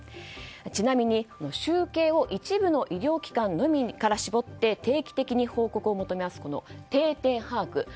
ちなみに集計を一部の医療機関のみから絞って定期的に報告を求める定点把握。